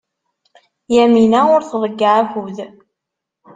Yamina ur tḍeyyeɛ akud.